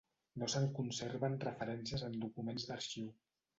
No se'n conserven referències en documents d'arxiu.